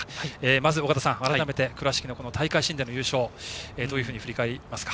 まず、尾方さん改めて倉敷の大会新での優勝どういうふうに振り返りますか。